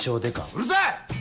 うるさい！